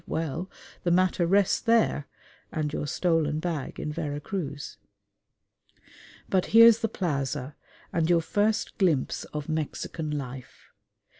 well, the matter rests there and your stolen bag in Vera Cruz. But here's the plaza, and your first glimpse of Mexican life.